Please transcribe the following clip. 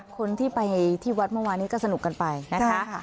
คนที่ไปที่วัดเมื่อวานนี้ก็สนุกกันไปนะคะ